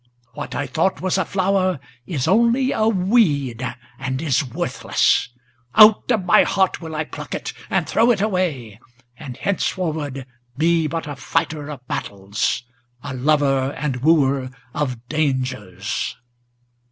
What I thought was a flower, is only a weed, and is worthless; Out of my heart will I pluck it, and throw it away, and henceforward Be but a fighter of battles, a lover and wooer of dangers!"